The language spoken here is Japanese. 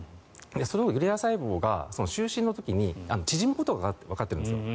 そのブリア細胞が就寝の時に縮むことがわかっているんです。